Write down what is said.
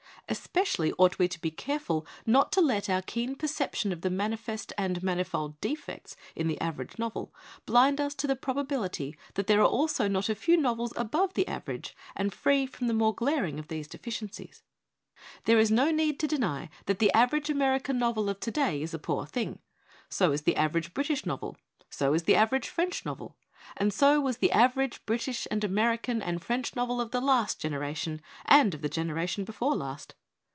Especially ought we to be careful not to let our keen perception of the manifest and manifold defects in the average novel blind us to the probability that there are also not a few novels above the average and free from the mon glaring of these deficiencies. There is no need 207 ON WORKING TOO MUCH AND WORKING TOO FAST to deny that the average American novel of to day is a poor thing; so is the average British novel; so is the average French novel; and so was the average American and British and French novel of the last generation and of the generation before the last.